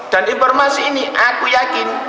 dan informasi ini aku yakin